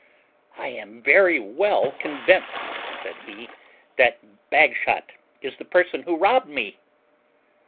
"I am very well convinced," said he, "that Bagshot is the person who robbed me."